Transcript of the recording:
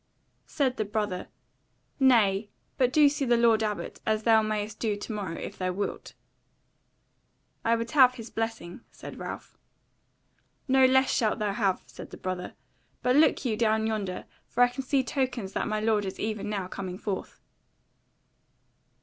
Said the brother: "Nay, do but see the lord Abbot, as thou mayst do to morrow, if thou wilt." "I would have his blessing," said Ralph. "No less shalt thou have," said the brother; "but look you down yonder; for I can see tokens that my lord is even now coming forth."